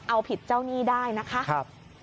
เอาผิดเจ้าหนี้ได้นะคะ